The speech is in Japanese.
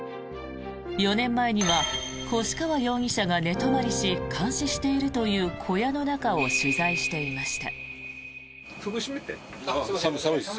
４年前には越川容疑者が寝泊まりし監視しているという小屋の中を取材していました。